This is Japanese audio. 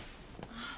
あっ。